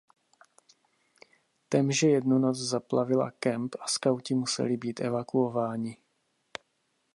Temže jednu noc zaplavila kemp a skauti museli být evakuováni.